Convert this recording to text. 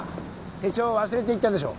手帳忘れていったでしょう